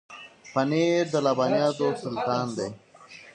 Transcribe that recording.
پنېر د لبنیاتو سلطان دی.